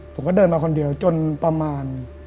ผมก็เดินมาคนเดียวจนประมาณ